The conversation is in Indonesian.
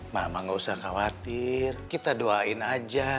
mama gak usah khawatir kita doain aja